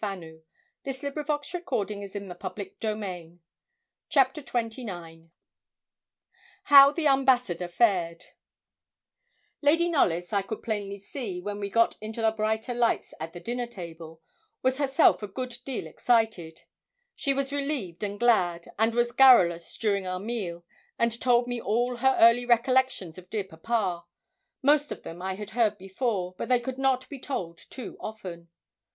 And in came Branston to say that dinner was served. CHAPTER XXIX HOW THE AMBASSADOR FARED Lady Knollys, I could plainly see, when we got into the brighter lights at the dinner table, was herself a good deal excited; she was relieved and glad, and was garrulous during our meal, and told me all her early recollections of dear papa. Most of them I had heard before; but they could not be told too often.